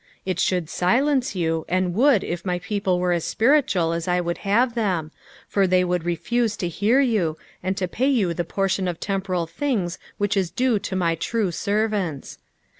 It should silence you, and would if m; people were as spiritual as I would have them, for they would refuse to hear you, and to pay you the portion of temporal things which is due to my true servsnts.